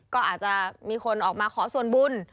ก็อาจจะมีคนออกมาขอส่วนบุญ